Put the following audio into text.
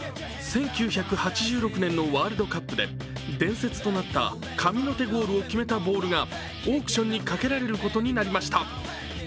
１９８６年のワールドカップで伝説となった神の手ゴールを決めたボールがオークションにかけられることになりました。